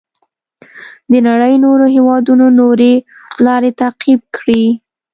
د نړۍ نورو هېوادونو نورې لارې تعقیب کړې.